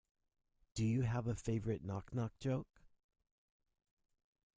Do you have a favourite knock knock joke?